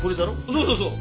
そうそうそう。